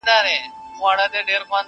o لنده ژبه هري خوا ته اوړي!